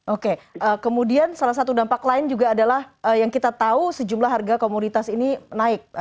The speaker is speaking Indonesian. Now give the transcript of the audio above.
oke kemudian salah satu dampak lain juga adalah yang kita tahu sejumlah harga komoditas ini naik